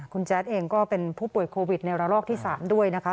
คุณแจ๊ดเองก็เป็นผู้ป่วยโควิดในระลอกที่๓ด้วยนะคะ